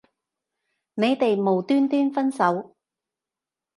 你哋無端端分手